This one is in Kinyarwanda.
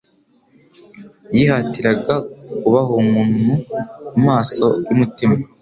Yihatiraga kubahunnu-a amaso y'umutima